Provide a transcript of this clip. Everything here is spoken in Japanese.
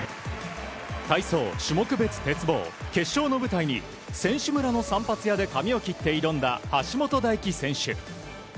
体操種目別鉄棒、決勝の舞台に選手村の散髪屋で髪を切って挑んだ橋本大輝選手。